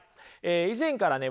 以前からね